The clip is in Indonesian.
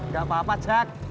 gak apa apa jack